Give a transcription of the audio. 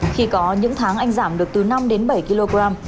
khi có những tháng anh giảm được từ năm đến bảy kg